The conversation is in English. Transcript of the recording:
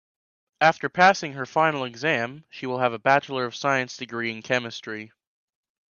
After passing her final exam she will have a bachelor of science degree in chemistry.